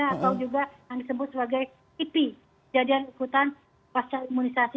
atau juga yang disebut sebagai kipi jadian ikutan pasca imunisasi